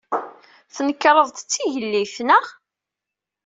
Tnekreḍ-d d tigellilt, naɣ?